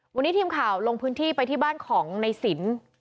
วันนี้ทีมข่าวลงพื้นที่ไปที่บ้านของในสิน